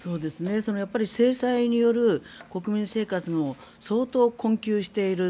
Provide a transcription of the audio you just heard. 制裁による国民生活も相当困窮している。